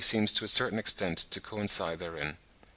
143) seems to a certain extent to coincide therein.)